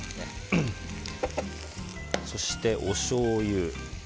そして、おしょうゆ。